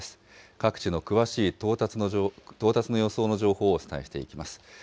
各地の詳しい到達の予想の情報をお伝えしていきます。